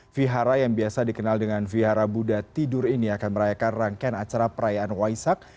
vihara yang biasa dikenal dengan vihara buddha tidur ini akan merayakan rangkaian acara perayaan waisak